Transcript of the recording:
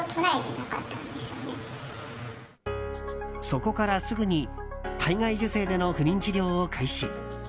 そこから、すぐに体外受精での不妊治療を開始。